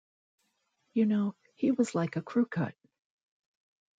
You know, he was like a crew cut.